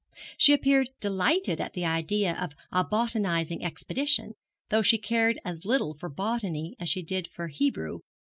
She appeared delighted at the idea of a botanising expedition, though she cared as little for botany as she did for Hebrew.